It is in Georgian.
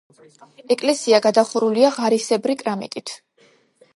ეკლესია გადახურულია ღარისებრი კრამიტით.